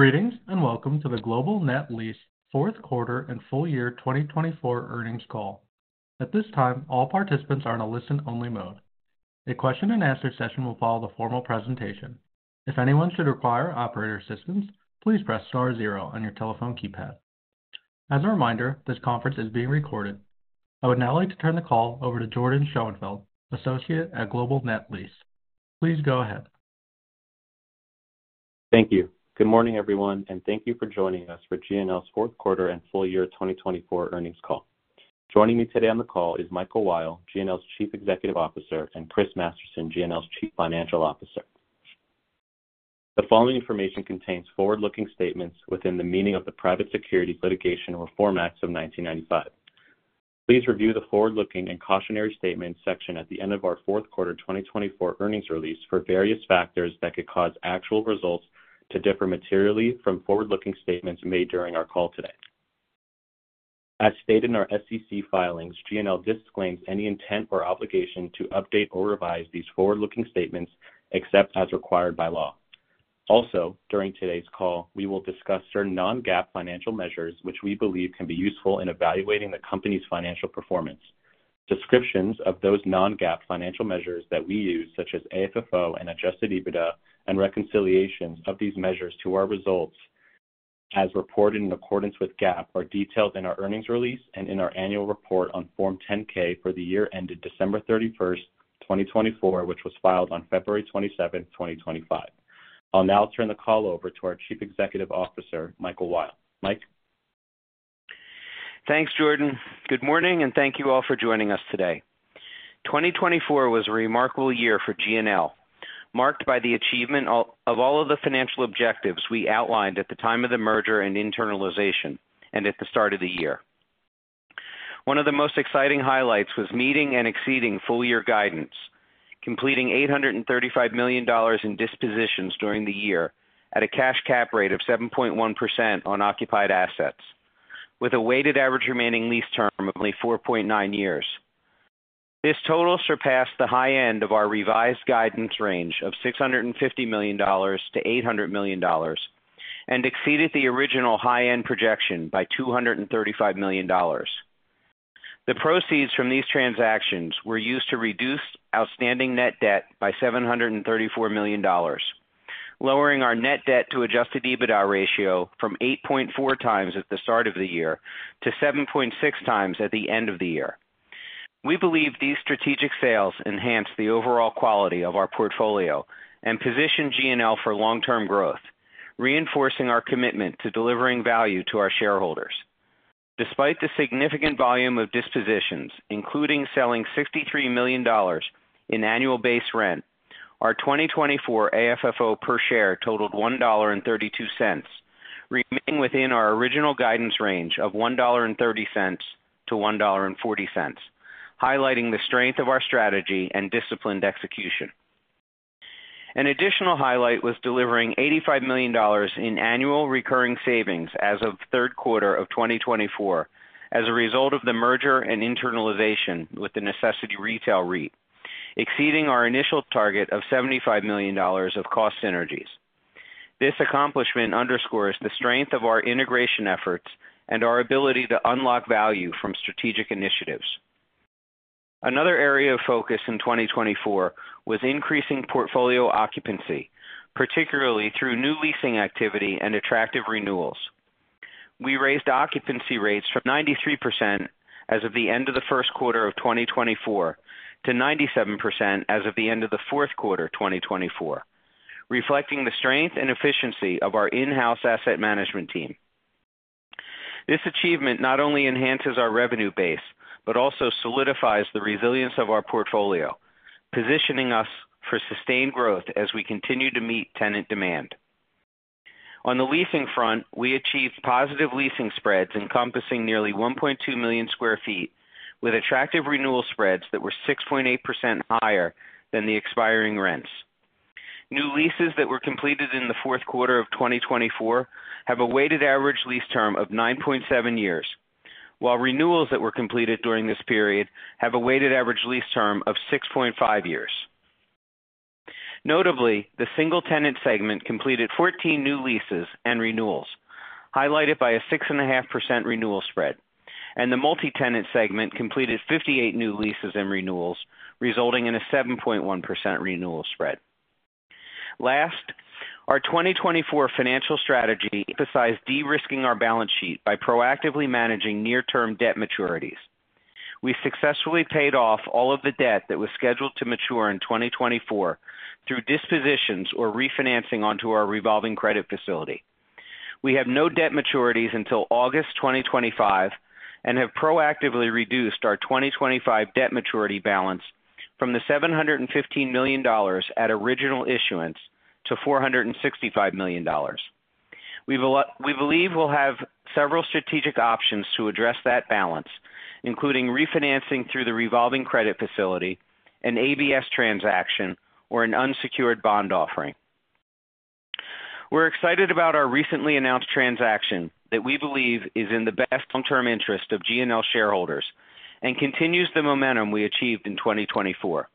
Greetings and welcome to the Global Net Lease Fourth Quarter and Full Year 2024 Earnings Call. At this time, all participants are in a listen-only mode. A question-and-answer session will follow the formal presentation. If anyone should require operator assistance, please press star zero on your telephone keypad. As a reminder, this conference is being recorded. I would now like to turn the call over to Jordyn Schoenfeld, Associate at Global Net Lease. Please go ahead. Thank you. Good morning, everyone, and thank you for joining us for GNL's fourth quarter and full year 2024 earnings call. Joining me today on the call is Michael Weil, GNL's Chief Executive Officer, and Chris Masterson, GNL's Chief Financial Officer. The following information contains forward-looking statements within the meaning of the Private Securities Litigation Reform Act of 1995. Please review the forward-looking and cautionary statements section at the end of our fourth quarter 2024 earnings release for various factors that could cause actual results to differ materially from forward-looking statements made during our call today. As stated in our SEC filings, GNL disclaims any intent or obligation to update or revise these forward-looking statements except as required by law. Also, during today's call, we will discuss certain non-GAAP financial measures which we believe can be useful in evaluating the company's financial performance. Descriptions of those non-GAAP financial measures that we use, such as AFFO and adjusted EBITDA, and reconciliations of these measures to our results as reported in accordance with GAAP are detailed in our earnings release and in our annual report on Form 10-K for the year ended December 31, 2024, which was filed on February 27, 2025. I'll now turn the call over to our Chief Executive Officer, Michael Weil. Mike. Thanks, Jordyn. Good morning, and thank you all for joining us today. 2024 was a remarkable year for GNL, marked by the achievement of all of the financial objectives we outlined at the time of the merger and internalization and at the start of the year. One of the most exciting highlights was meeting and exceeding full-year guidance, completing $835 million in dispositions during the year at a cash cap rate of 7.1% on occupied assets, with a weighted average remaining lease term of only 4.9 years. This total surpassed the high end of our revised guidance range of $650 million-$800 million and exceeded the original high-end projection by $235 million. The proceeds from these transactions were used to reduce outstanding net debt by $734 million, lowering our net debt to adjusted EBITDA ratio from 8.4 times at the start of the year to 7.6 times at the end of the year. We believe these strategic sales enhanced the overall quality of our portfolio and position GNL for long-term growth, reinforcing our commitment to delivering value to our shareholders. Despite the significant volume of dispositions, including selling $63 million in annual base rent, our 2024 AFFO per share totaled $1.32, remaining within our original guidance range of $1.30-$1.40, highlighting the strength of our strategy and disciplined execution. An additional highlight was delivering $85 million in annual recurring savings as of third quarter of 2024 as a result of the merger and internalization with the Necessity Retail REIT, exceeding our initial target of $75 million of cost synergies. This accomplishment underscores the strength of our integration efforts and our ability to unlock value from strategic initiatives. Another area of focus in 2024 was increasing portfolio occupancy, particularly through new leasing activity and attractive renewals. We raised occupancy rates from 93% as of the end of the first quarter of 2024 to 97% as of the end of the fourth quarter 2024, reflecting the strength and efficiency of our in-house asset management team. This achievement not only enhances our revenue base but also solidifies the resilience of our portfolio, positioning us for sustained growth as we continue to meet tenant demand. On the leasing front, we achieved positive leasing spreads encompassing nearly 1.2 million sq ft, with attractive renewal spreads that were 6.8% higher than the expiring rents. New leases that were completed in the fourth quarter of 2024 have a weighted average lease term of 9.7 years, while renewals that were completed during this period have a weighted average lease term of 6.5 years. Notably, the single-tenant segment completed 14 new leases and renewals, highlighted by a 6.5% renewal spread, and the multi-tenant segment completed 58 new leases and renewals, resulting in a 7.1% renewal spread. Last, our 2024 financial strategy emphasized de-risking our balance sheet by proactively managing near-term debt maturities. We successfully paid off all of the debt that was scheduled to mature in 2024 through dispositions or refinancing onto our revolving credit facility. We have no debt maturities until August 2025 and have proactively reduced our 2025 debt maturity balance from the $715 million at original issuance to $465 million. We believe we'll have several strategic options to address that balance, including refinancing through the revolving credit facility, an ABS transaction, or an unsecured bond offering. We're excited about our recently announced transaction that we believe is in the best long-term interest of GNL shareholders and continues the momentum we achieved in 2024.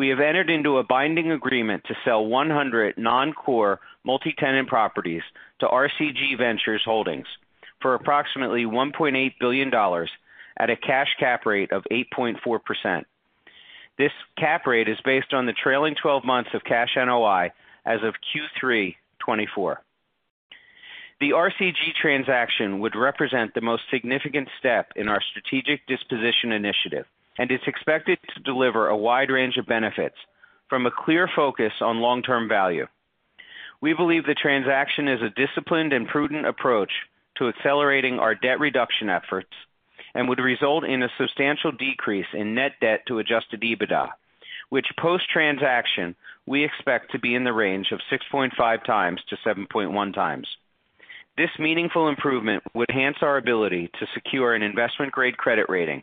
We have entered into a binding agreement to sell 100 non-core multi-tenant properties to RCG Ventures Holdings for approximately $1.8 billion at a cash cap rate of 8.4%. This cap rate is based on the trailing 12 months of cash NOI as of Q3 2024. The RCG transaction would represent the most significant step in our strategic disposition initiative and is expected to deliver a wide range of benefits from a clear focus on long-term value. We believe the transaction is a disciplined and prudent approach to accelerating our debt reduction efforts and would result in a substantial decrease in net debt to adjusted EBITDA, which post-transaction we expect to be in the range of 6.5-7.1 times. This meaningful improvement would enhance our ability to secure an investment-grade credit rating,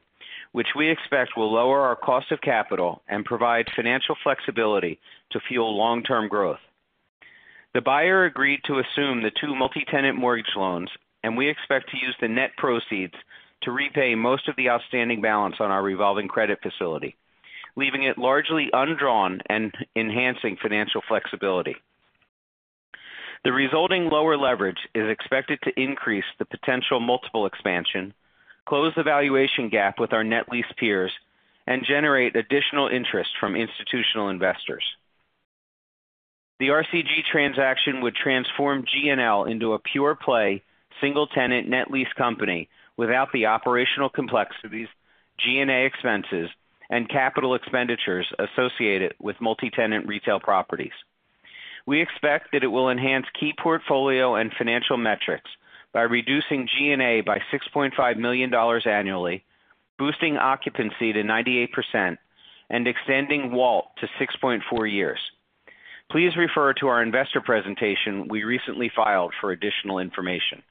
which we expect will lower our cost of capital and provide financial flexibility to fuel long-term growth. The buyer agreed to assume the two multi-tenant mortgage loans, and we expect to use the net proceeds to repay most of the outstanding balance on our revolving credit facility, leaving it largely undrawn and enhancing financial flexibility. The resulting lower leverage is expected to increase the potential multiple expansion, close the valuation gap with our net lease peers, and generate additional interest from institutional investors. The RCG transaction would transform GNL into a pure-play single-tenant net lease company without the operational complexities, G&A expenses, and capital expenditures associated with multi-tenant retail properties. We expect that it will enhance key portfolio and financial metrics by reducing G&A by $6.5 million annually, boosting occupancy to 98%, and extending WALT to 6.4 years. Please refer to our investor presentation we recently filed for additional information.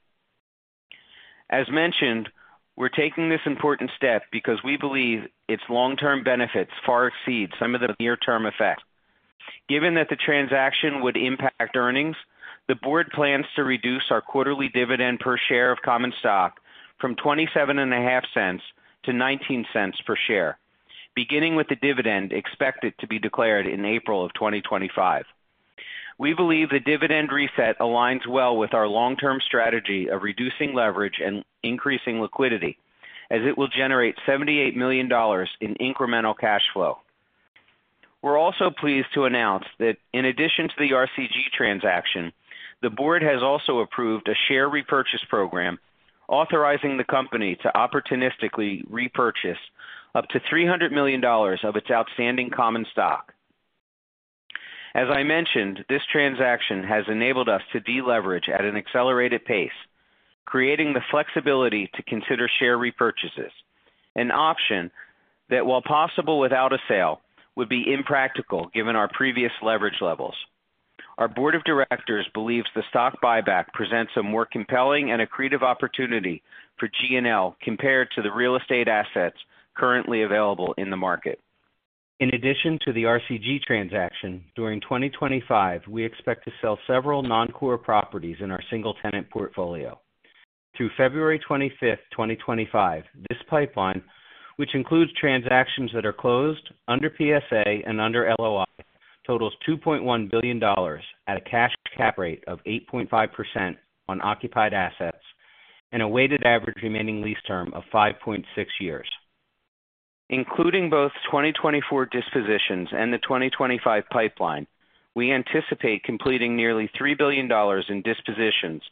As mentioned, we're taking this important step because we believe its long-term benefits far exceed some of the near-term effects. Given that the transaction would impact earnings, the board plans to reduce our quarterly dividend per share of common stock from $0.275 to $0.19 per share, beginning with the dividend expected to be declared in April of 2025. We believe the dividend reset aligns well with our long-term strategy of reducing leverage and increasing liquidity, as it will generate $78 million in incremental cash flow. We're also pleased to announce that, in addition to the RCG transaction, the board has also approved a share repurchase program authorizing the company to opportunistically repurchase up to $300 million of its outstanding common stock. As I mentioned, this transaction has enabled us to deleverage at an accelerated pace, creating the flexibility to consider share repurchases, an option that, while possible without a sale, would be impractical given our previous leverage levels. Our board of directors believes the stock buyback presents a more compelling and accretive opportunity for GNL compared to the real estate assets currently available in the market. In addition to the RCG transaction, during 2025, we expect to sell several non-core properties in our single-tenant portfolio. Through February 25th, 2025, this pipeline, which includes transactions that are closed under PSA and under LOI, totals $2.1 billion at a cash cap rate of 8.5% on occupied assets and a weighted average remaining lease term of 5.6 years. Including both 2024 dispositions and the 2025 pipeline, we anticipate completing nearly $3 billion in dispositions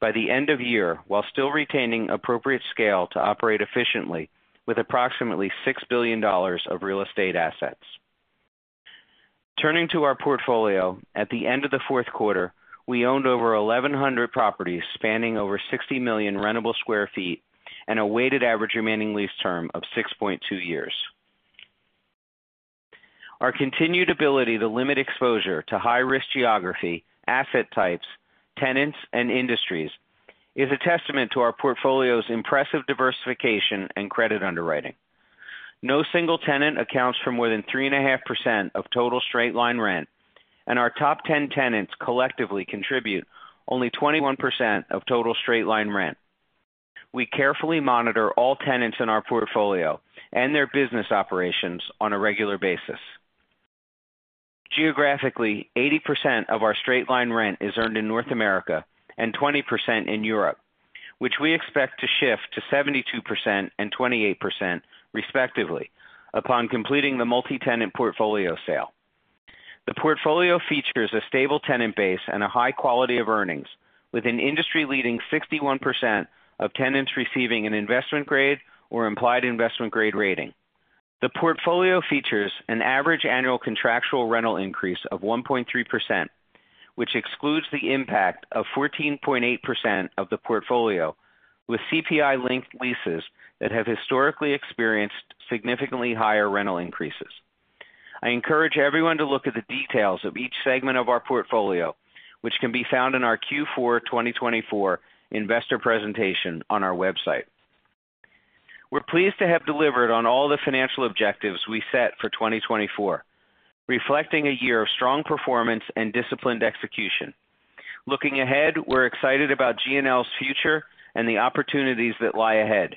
by the end of year while still retaining appropriate scale to operate efficiently with approximately $6 billion of real estate assets. Turning to our portfolio, at the end of the fourth quarter, we owned over 1,100 properties spanning over 60 million rentable sq ft and a weighted average remaining lease term of 6.2 years. Our continued ability to limit exposure to high-risk geography, asset types, tenants, and industries is a testament to our portfolio's impressive diversification and credit underwriting. No single tenant accounts for more than 3.5% of total straight-line rent, and our top 10 tenants collectively contribute only 21% of total straight-line rent. We carefully monitor all tenants in our portfolio and their business operations on a regular basis. Geographically, 80% of our straight-line rent is earned in North America and 20% in Europe, which we expect to shift to 72% and 28%, respectively, upon completing the multi-tenant portfolio sale. The portfolio features a stable tenant base and a high quality of earnings, with an industry-leading 61% of tenants receiving an investment-grade or implied investment-grade rating. The portfolio features an average annual contractual rental increase of 1.3%, which excludes the impact of 14.8% of the portfolio, with CPI-linked leases that have historically experienced significantly higher rental increases. I encourage everyone to look at the details of each segment of our portfolio, which can be found in our Q4 2024 investor presentation on our website. We're pleased to have delivered on all the financial objectives we set for 2024, reflecting a year of strong performance and disciplined execution. Looking ahead, we're excited about GNL's future and the opportunities that lie ahead.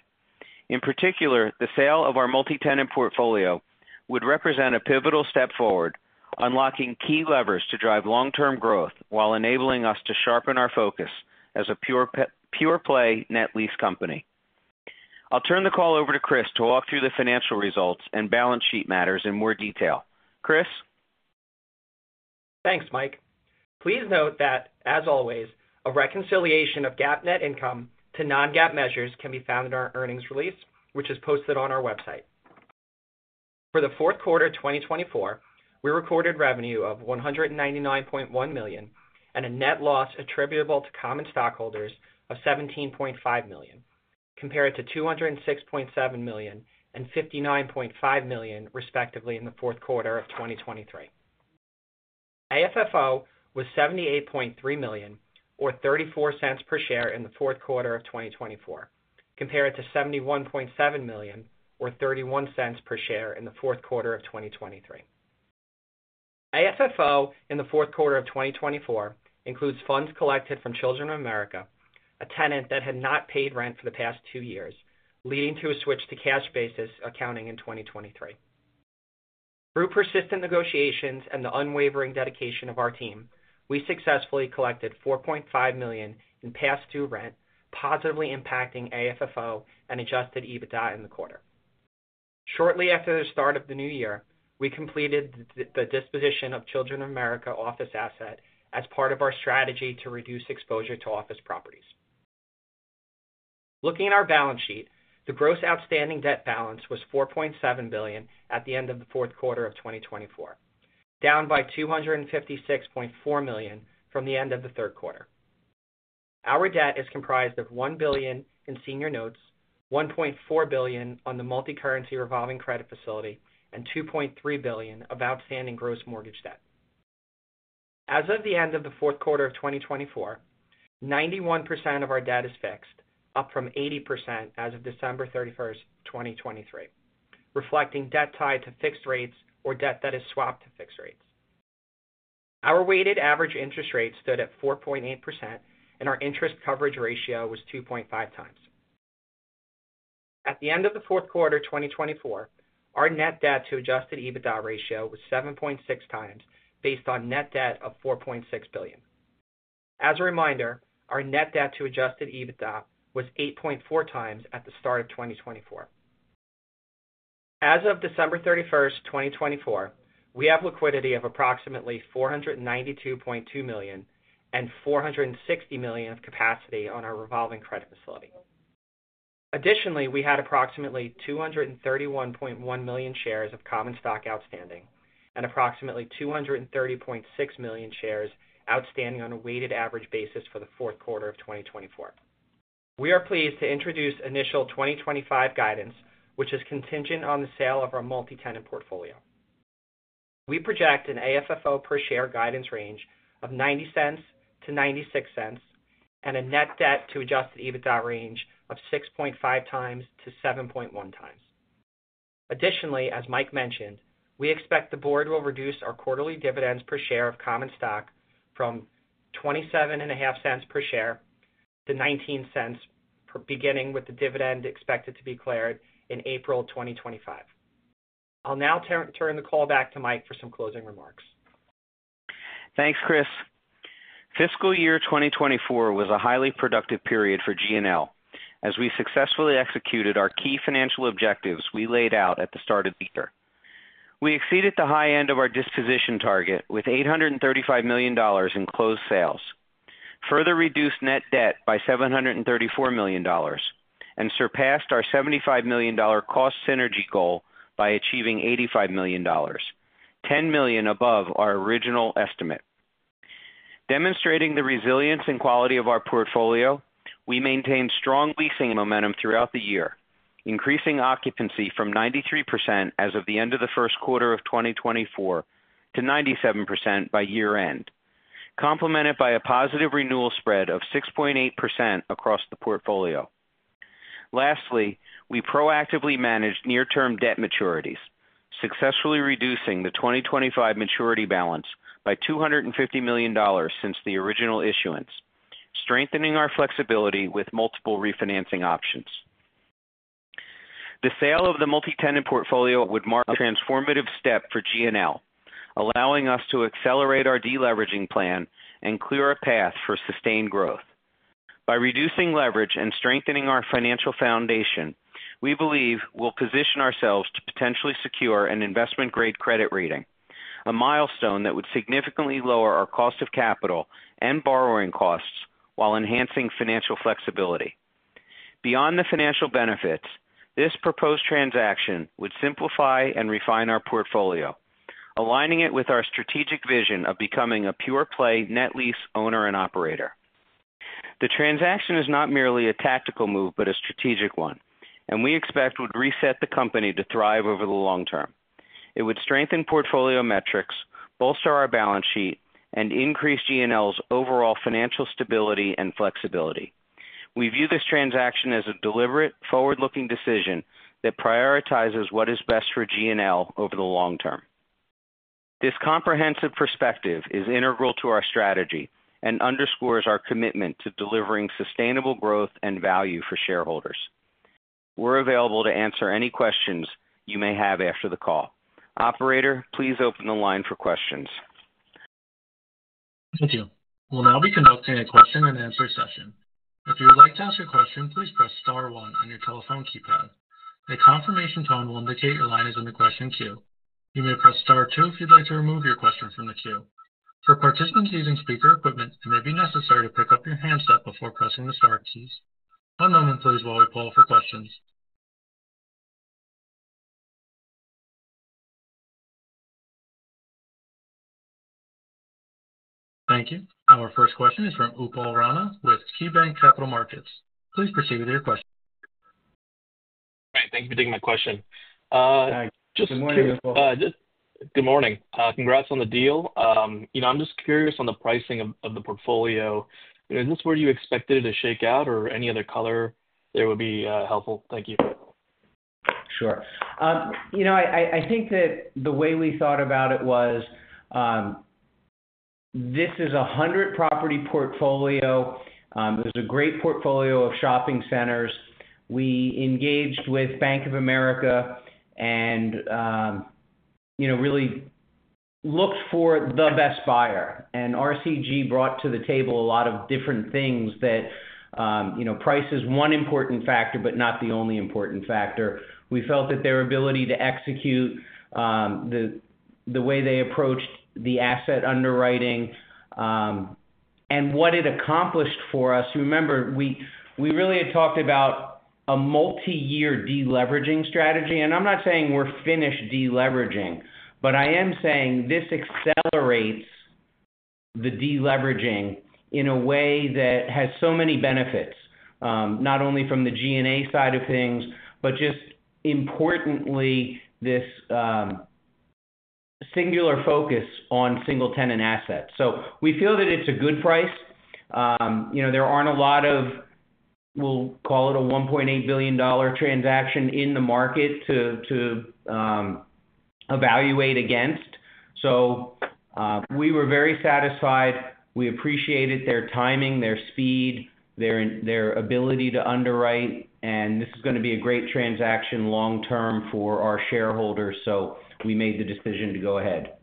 In particular, the sale of our multi-tenant portfolio would represent a pivotal step forward, unlocking key levers to drive long-term growth while enabling us to sharpen our focus as a pure-play net lease company. I'll turn the call over to Chris to walk through the financial results and balance sheet matters in more detail. Chris? Thanks, Mike. Please note that, as always, a reconciliation of GAAP net income to non-GAAP measures can be found in our earnings release, which is posted on our website. For the fourth quarter 2024, we recorded revenue of $199.1 million and a net loss attributable to common stockholders of $17.5 million, compared to $206.7 million and $59.5 million, respectively, in the fourth quarter of 2023. AFFO was $78.3 million, or $0.34 per share in the fourth quarter of 2024, compared to $71.7 million, or $0.31 per share in the fourth quarter of 2023. AFFO in the fourth quarter of 2024 includes funds collected from Children of America, a tenant that had not paid rent for the past two years, leading to a switch to cash-basis accounting in 2023. Through persistent negotiations and the unwavering dedication of our team, we successfully collected $4.5 million in past-due rent, positively impacting AFFO and adjusted EBITDA in the quarter. Shortly after the start of the new year, we completed the disposition of Children of America office asset as part of our strategy to reduce exposure to office properties. Looking at our balance sheet, the gross outstanding debt balance was $4.7 billion at the end of the fourth quarter of 2024, down by $256.4 million from the end of the third quarter. Our debt is comprised of $1 billion in senior notes, $1.4 billion on the multi-currency revolving credit facility, and $2.3 billion of outstanding gross mortgage debt. As of the end of the fourth quarter of 2024, 91% of our debt is fixed, up from 80% as of December 31, 2023, reflecting debt tied to fixed rates or debt that is swapped to fixed rates. Our weighted average interest rate stood at 4.8%, and our interest coverage ratio was 2.5 times. At the end of the fourth quarter 2024, our net debt to adjusted EBITDA ratio was 7.6 times, based on net debt of $4.6 billion. As a reminder, our net debt to adjusted EBITDA was 8.4 times at the start of 2024. As of December 31, 2024, we have liquidity of approximately $492.2 million and $460 million of capacity on our revolving credit facility. Additionally, we had approximately 231.1 million shares of common stock outstanding and approximately 230.6 million shares outstanding on a weighted average basis for the fourth quarter of 2024. We are pleased to introduce initial 2025 guidance, which is contingent on the sale of our multi-tenant portfolio. We project an AFFO per share guidance range of $0.90-$0.96 and a net debt to adjusted EBITDA range of 6.5-7.1 times. Additionally, as Mike mentioned, we expect the board will reduce our quarterly dividends per share of common stock from $0.27 per share to $0.19, beginning with the dividend expected to be declared in April 2025. I'll now turn the call back to Mike for some closing remarks. Thanks, Chris. Fiscal year 2024 was a highly productive period for GNL, as we successfully executed our key financial objectives we laid out at the start of the year. We exceeded the high end of our disposition target with $835 million in closed sales, further reduced net debt by $734 million, and surpassed our $75 million cost synergy goal by achieving $85 million, $10 million above our original estimate. Demonstrating the resilience and quality of our portfolio, we maintained strong leasing momentum throughout the year, increasing occupancy from 93% as of the end of the first quarter of 2024 to 97% by year-end, complemented by a positive renewal spread of 6.8% across the portfolio. Lastly, we proactively managed near-term debt maturities, successfully reducing the 2025 maturity balance by $250 million since the original issuance, strengthening our flexibility with multiple refinancing options. The sale of the multi-tenant portfolio would mark a transformative step for GNL, allowing us to accelerate our deleveraging plan and clear a path for sustained growth. By reducing leverage and strengthening our financial foundation, we believe we'll position ourselves to potentially secure an investment-grade credit rating, a milestone that would significantly lower our cost of capital and borrowing costs while enhancing financial flexibility. Beyond the financial benefits, this proposed transaction would simplify and refine our portfolio, aligning it with our strategic vision of becoming a pure-play net lease owner and operator. The transaction is not merely a tactical move but a strategic one, and we expect it would reset the company to thrive over the long term. It would strengthen portfolio metrics, bolster our balance sheet, and increase GNL's overall financial stability and flexibility. We view this transaction as a deliberate, forward-looking decision that prioritizes what is best for GNL over the long term. This comprehensive perspective is integral to our strategy and underscores our commitment to delivering sustainable growth and value for shareholders. We're available to answer any questions you may have after the call. Operator, please open the line for questions. Thank you. We'll now be conducting a question-and-answer session. If you would like to ask your question, please press Star 1 on your telephone keypad. A confirmation tone will indicate your line is in the question queue. You may press Star 2 if you'd like to remove your question from the queue. For participants using speaker equipment, it may be necessary to pick up your handset before pressing the Star keys. One moment, please, while we pull up for questions. Thank you. Our first question is from Upa Orana with KeyBank Capital Markets. Please proceed with your question. Hi, thank you for taking my question. Just. Good morning, Up. Good morning. Congrats on the deal. You know, I'm just curious on the pricing of the portfolio. Is this where you expected it to shake out, or any other color there would be helpful? Thank you. Sure. You know, I think that the way we thought about it was, this is a 100-property portfolio. It was a great portfolio of shopping centers. We engaged with Bank of America and really looked for the best buyer. RCG brought to the table a lot of different things that price is one important factor but not the only important factor. We felt that their ability to execute, the way they approached the asset underwriting, and what it accomplished for us, remember, we really had talked about a multi-year deleveraging strategy. I'm not saying we're finished deleveraging, but I am saying this accelerates the deleveraging in a way that has so many benefits, not only from the G&A side of things, but just importantly, this singular focus on single-tenant assets. We feel that it's a good price. There are not a lot of, we will call it a $1.8 billion transaction in the market to evaluate against. We were very satisfied. We appreciated their timing, their speed, their ability to underwrite, and this is going to be a great transaction long-term for our shareholders. We made the decision to go ahead.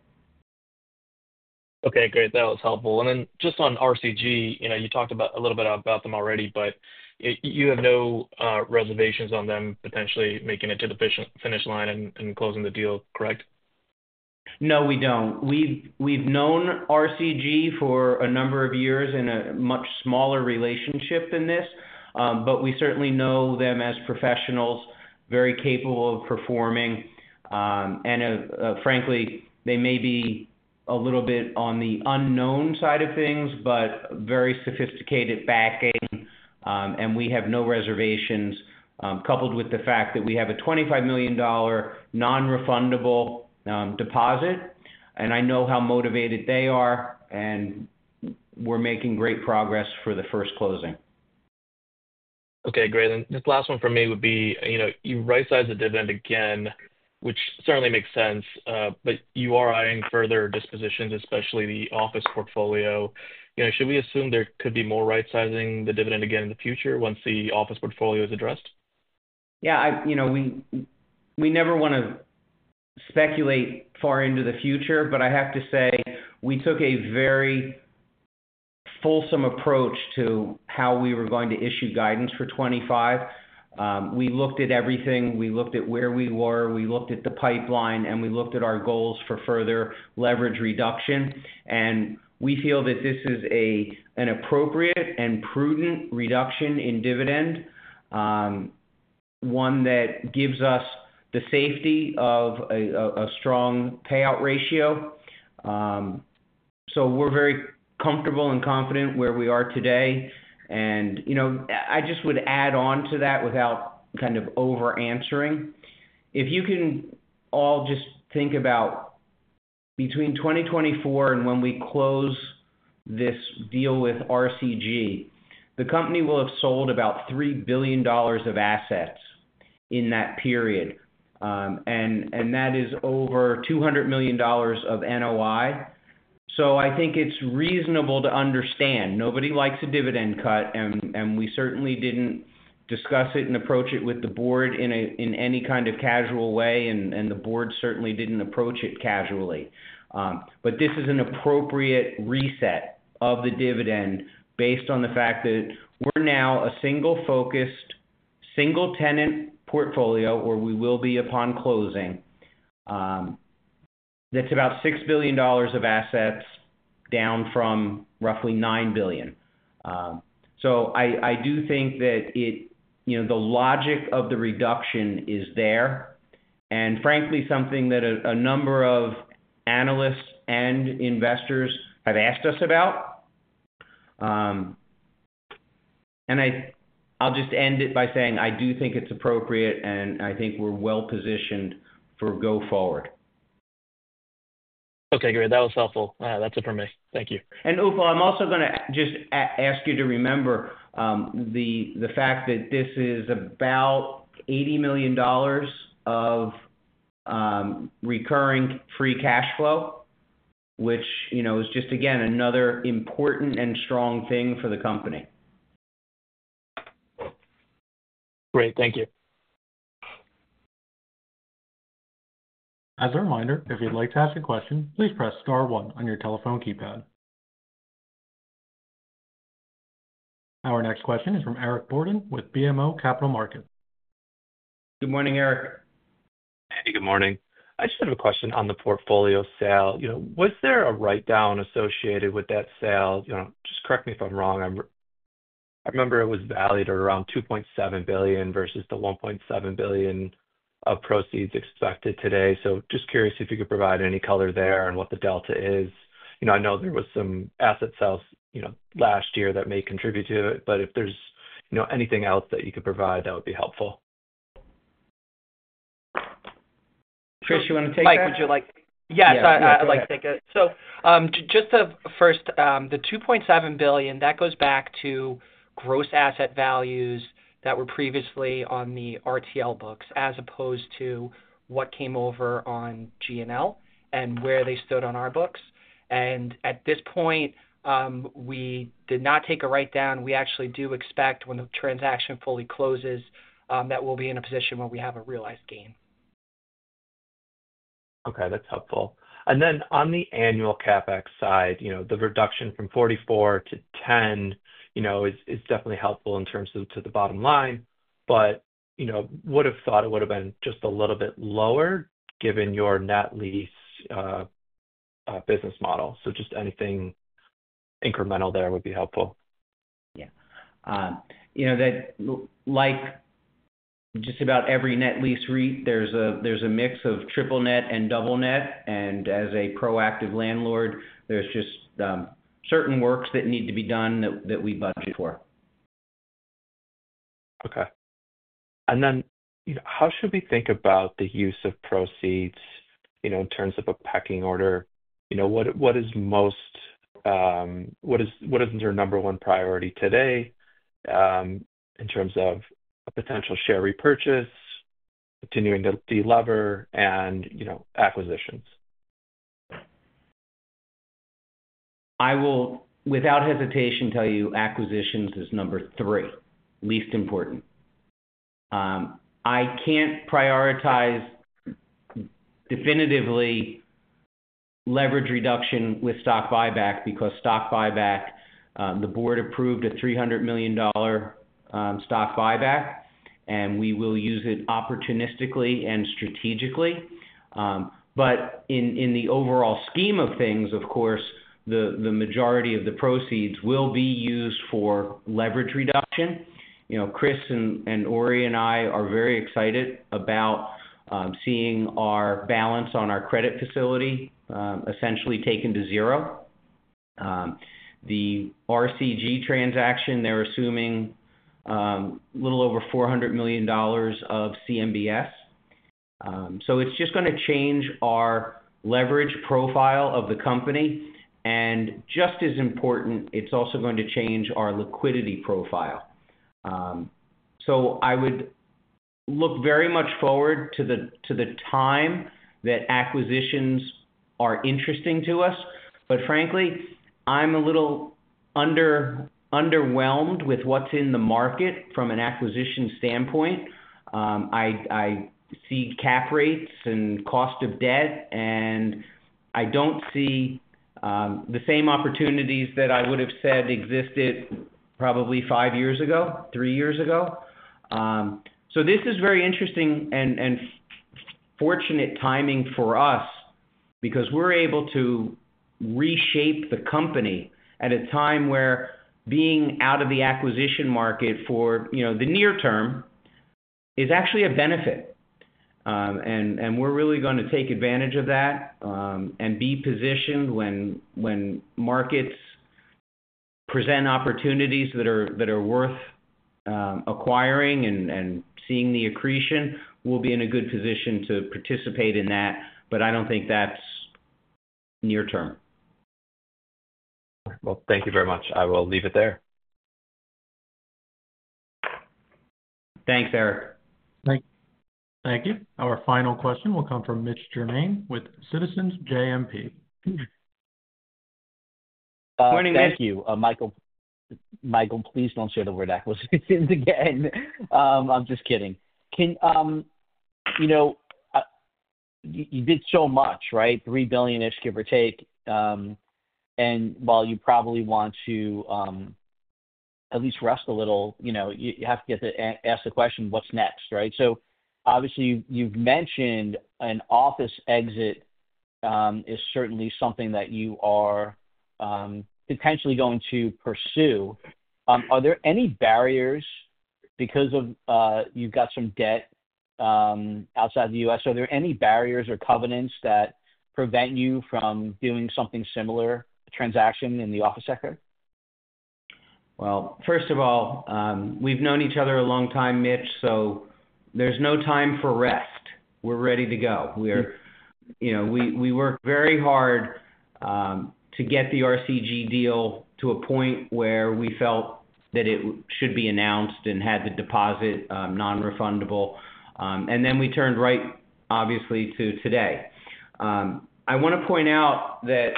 Okay, great. That was helpful. Just on RCG, you talked a little bit about them already, but you have no reservations on them potentially making it to the finish line and closing the deal, correct? No, we do not. We have known RCG for a number of years in a much smaller relationship than this, but we certainly know them as professionals, very capable of performing. Frankly, they may be a little bit on the unknown side of things, but very sophisticated backing, and we have no reservations, coupled with the fact that we have a $25 million non-refundable deposit. I know how motivated they are, and we're making great progress for the first closing. Okay, great. This last one for me would be, you right-sized the dividend again, which certainly makes sense, but you are eyeing further dispositions, especially the office portfolio. Should we assume there could be more right-sizing of the dividend again in the future once the office portfolio is addressed? Yeah, we never want to speculate far into the future, but I have to say we took a very fulsome approach to how we were going to issue guidance for 2025. We looked at everything. We looked at where we were. We looked at the pipeline, and we looked at our goals for further leverage reduction. We feel that this is an appropriate and prudent reduction in dividend, one that gives us the safety of a strong payout ratio. We are very comfortable and confident where we are today. I just would add on to that without kind of over-answering. If you can all just think about between 2024 and when we close this deal with RCG, the company will have sold about $3 billion of assets in that period. That is over $200 million of NOI. I think it is reasonable to understand. Nobody likes a dividend cut, and we certainly did not discuss it and approach it with the board in any kind of casual way, and the board certainly did not approach it casually. This is an appropriate reset of the dividend based on the fact that we're now a single-focused, single-tenant portfolio, or we will be upon closing. That's about $6 billion of assets, down from roughly $9 billion. I do think that the logic of the reduction is there, and frankly, something that a number of analysts and investors have asked us about. I'll just end it by saying I do think it's appropriate, and I think we're well-positioned for go forward. Okay, great. That was helpful. That's it for me. Thank you. Upal, I'm also going to just ask you to remember the fact that this is about $80 million of recurring free cash flow, which is just, again, another important and strong thing for the company. Great. Thank you. As a reminder, if you'd like to ask a question, please press Star 1 on your telephone keypad. Our next question is from Eric Borden with BMO Capital Markets. Good morning, Eric. Hey, good morning. I just have a question on the portfolio sale. Was there a write-down associated with that sale? Just correct me if I'm wrong. I remember it was valued at around $2.7 billion versus the $1.7 billion of proceeds expected today. Just curious if you could provide any color there and what the delta is. I know there were some asset sales last year that may contribute to it, but if there's anything else that you could provide, that would be helpful. Chris, you want to take that? Mike. Would you like? Yes, I'd like to take it. So just first, the $2.7 billion, that goes back to gross asset values that were previously on the RTL books as opposed to what came over on GNL and where they stood on our books. At this point, we did not take a write-down. We actually do expect when the transaction fully closes that we'll be in a position where we have a realized gain. Okay, that's helpful. On the annual CapEx side, the reduction from $44 to $10 is definitely helpful in terms of to the bottom line, but would have thought it would have been just a little bit lower given your net lease business model. Just anything incremental there would be helpful. Yeah. Like just about every net lease REIT, there's a mix of triple net and double net. As a proactive landlord, there's just certain works that need to be done that we budget for. Okay. How should we think about the use of proceeds in terms of a pecking order? What is your number one priority today in terms of a potential share repurchase, continuing to delever, and acquisitions? I will, without hesitation, tell you acquisitions is number three, least important. I cannot prioritize definitively leverage reduction with stock buyback because stock buyback, the board approved a $300 million stock buyback, and we will use it opportunistically and strategically. In the overall scheme of things, of course, the majority of the proceeds will be used for leverage reduction. Chris and Ori and I are very excited about seeing our balance on our credit facility essentially taken to zero. The RCG transaction, they're assuming a little over $400 million of CMBS. It's just going to change our leverage profile of the company. Just as important, it's also going to change our liquidity profile. I would look very much forward to the time that acquisitions are interesting to us. Frankly, I'm a little underwhelmed with what's in the market from an acquisition standpoint. I see cap rates and cost of debt, and I don't see the same opportunities that I would have said existed probably five years ago, three years ago. This is very interesting and fortunate timing for us because we're able to reshape the company at a time where being out of the acquisition market for the near term is actually a benefit. We're really going to take advantage of that and be positioned when markets present opportunities that are worth acquiring and seeing the accretion. We'll be in a good position to participate in that, but I don't think that's near term. Thank you very much. I will leave it there. Thanks, Eric. Thank you. Our final question will come from Mitch Germain with Citizens JMP. Good morning. Thank you. Michael, please don't say the word acquisitions again. I'm just kidding. You did so much, right? $3 billion, give or take. And while you probably want to at least rest a little, you have to ask the question, what's next, right? Obviously, you've mentioned an office exit is certainly something that you are potentially going to pursue. Are there any barriers because you've got some debt outside the U.S.? Are there any barriers or covenants that prevent you from doing something similar, a transaction in the office sector? First of all, we've known each other a long time, Mitch, so there's no time for rest. We're ready to go. We worked very hard to get the RCG deal to a point where we felt that it should be announced and had the deposit non-refundable. We turned right, obviously, to today. I want to point out that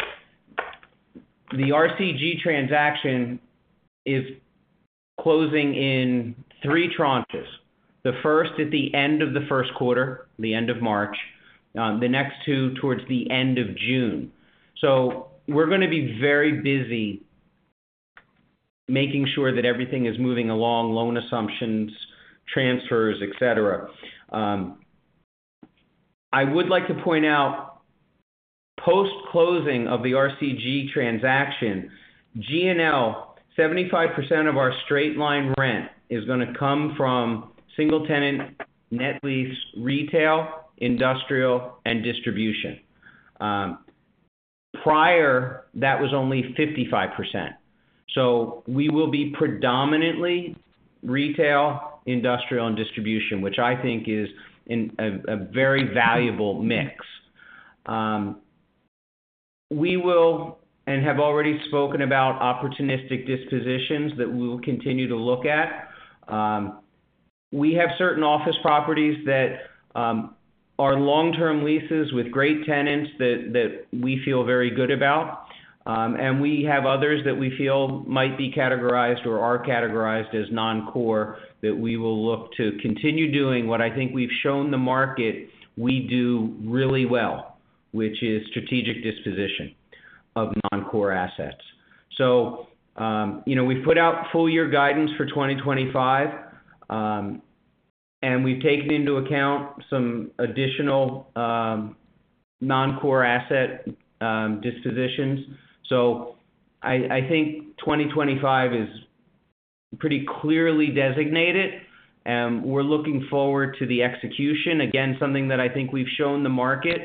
the RCG transaction is closing in three tranches. The first at the end of the first quarter, the end of March, the next two towards the end of June. We're going to be very busy making sure that everything is moving along, loan assumptions, transfers, etc. I would like to point out post-closing of the RCG transaction, GNL, 75% of our straight-line rent is going to come from single-tenant, net lease, retail, industrial, and distribution. Prior, that was only 55%. We will be predominantly retail, industrial, and distribution, which I think is a very valuable mix. We will and have already spoken about opportunistic dispositions that we will continue to look at. We have certain office properties that are long-term leases with great tenants that we feel very good about. We have others that we feel might be categorized or are categorized as non-core that we will look to continue doing what I think we've shown the market we do really well, which is strategic disposition of non-core assets. We have put out full-year guidance for 2025, and we've taken into account some additional non-core asset dispositions. I think 2025 is pretty clearly designated, and we're looking forward to the execution. Again, something that I think we've shown the market,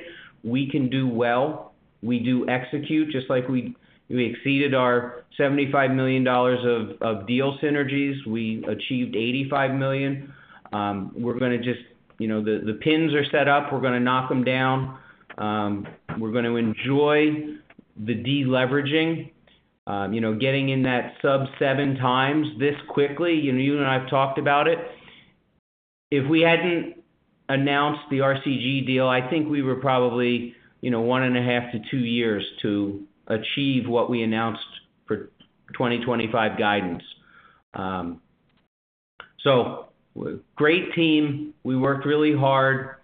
we can do well. We do execute just like we exceeded our $75 million of deal synergies. We achieved $85 million. We're going to just the pins are set up. We're going to knock them down. We're going to enjoy the deleveraging, getting in that sub-seven times this quickly. You and I have talked about it. If we hadn't announced the RCG deal, I think we were probably one and a half to two years to achieve what we announced for 2025 guidance. Great team. We worked really hard,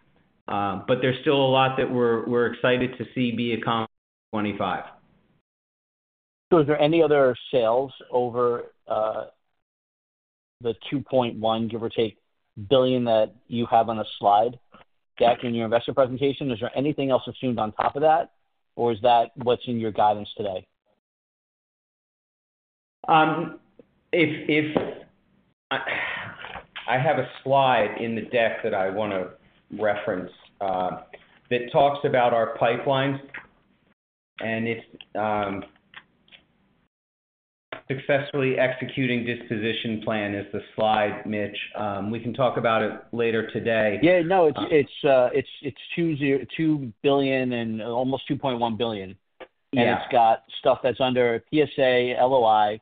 but there's still a lot that we're excited to see be accomplished in 2025. Is there any other sales over the $2.1 billion, give or take, that you have on a slide deck in your investor presentation? Is there anything else assumed on top of that, or is that what's in your guidance today? I have a slide in the deck that I want to reference that talks about our pipelines, and it's successfully executing disposition plan is the slide, Mitch. We can talk about it later today. Yeah. No, it's $2 billion and almost $2.1 billion. And it's got stuff that's under PSA, LOI.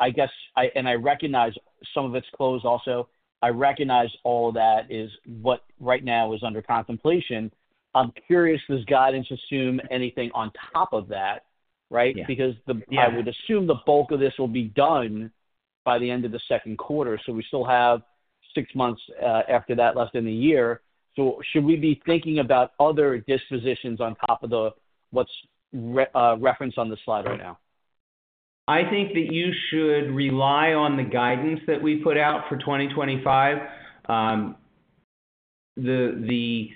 I recognize some of it's closed also. I recognize all of that is what right now is under contemplation. I'm curious if this guidance assumes anything on top of that, right? I would assume the bulk of this will be done by the end of the second quarter. We still have six months after that left in the year. Should we be thinking about other dispositions on top of what's referenced on the slide right now? I think that you should rely on the guidance that we put out for 2025. The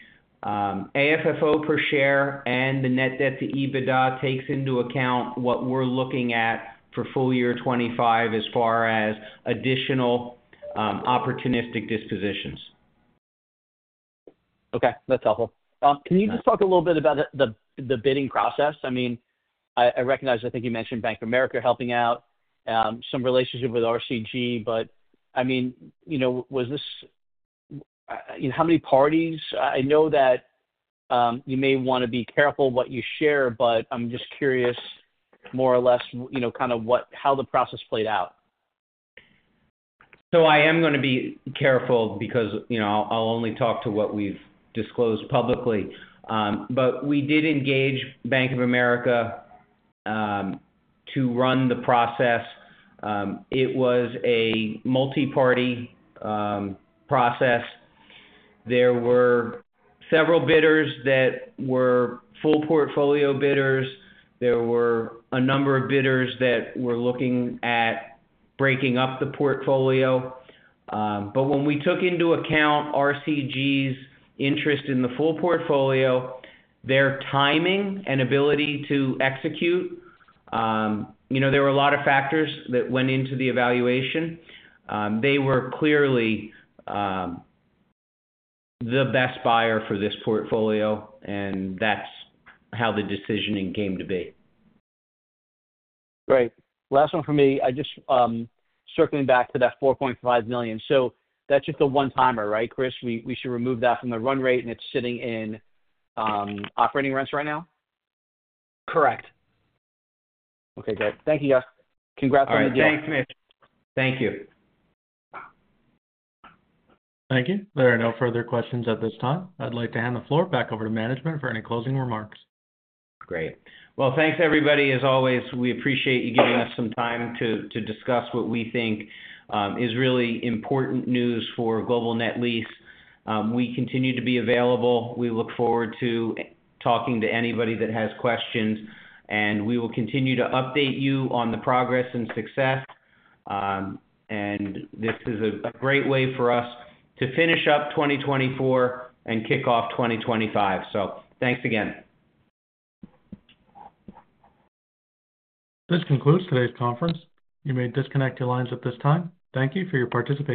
AFFO per share and the net debt to EBITDA takes into account what we're looking at for full year 2025 as far as additional opportunistic dispositions. Okay. That's helpful. Can you just talk a little bit about the bidding process? I mean, I recognize I think you mentioned Bank of America helping out, some relationship with RCG, but I mean, was this how many parties? I know that you may want to be careful what you share, but I'm just curious more or less kind of how the process played out. I am going to be careful because I'll only talk to what we've disclosed publicly. We did engage Bank of America to run the process. It was a multi-party process. There were several bidders that were full portfolio bidders. There were a number of bidders that were looking at breaking up the portfolio. When we took into account RCG's interest in the full portfolio, their timing and ability to execute, there were a lot of factors that went into the evaluation. They were clearly the best buyer for this portfolio, and that's how the decision came to be. Great. Last one for me. Just circling back to that $4.5 million. That's just a one-timer, right, Chris? We should remove that from the run rate, and it's sitting in operating rents right now? Correct. Okay. Great. Thank you, guys. Congrats on the deal. Thanks, Mitch. Thank you. Thank you. There are no further questions at this time. I'd like to hand the floor back over to management for any closing remarks. Great. Thanks, everybody. As always, we appreciate you giving us some time to discuss what we think is really important news for Global Net Lease. We continue to be available. We look forward to talking to anybody that has questions, and we will continue to update you on the progress and success. This is a great way for us to finish up 2024 and kick off 2025. Thanks again. This concludes today's conference. You may disconnect your lines at this time. Thank you for your participation.